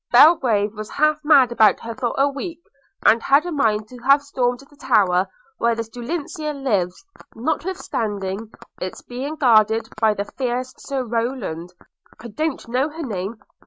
Belgrave was half mad about her for a week, and had a mind to have stormed the tower where this dulcinea lives, notwithstanding its being guarded by the fierce Sir Rowland. – I don't know her name.